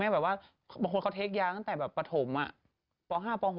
บางคนเขาเทคแย้งตั้งแต่ปง๕๖